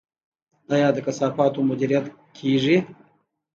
آیا د کثافاتو مدیریت کیږي؟